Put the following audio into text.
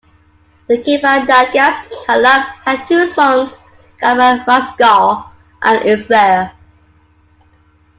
The "Kebra Nagast" Kaleb had two sons, Gabra Masqal and Israel.